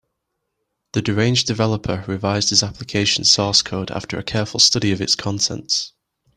The deranged developer revised his application source code after a careful study of its contents.